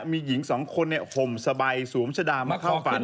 มีหญิงสองคนห่มสบายสวมชะดามาเข้าฝัน